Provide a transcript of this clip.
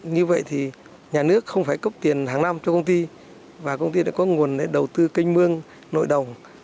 như vậy thì nhà nước không phải cấp tiền hàng năm cho công ty và công ty đã có nguồn đầu tư canh mương nội đồng